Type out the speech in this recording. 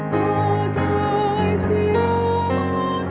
bagai si aman ucap